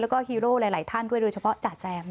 แล้วก็ฮีโร่หลายท่านด้วยโดยเฉพาะจ่าแซม